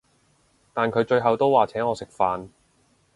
但佢最後都話請我食飯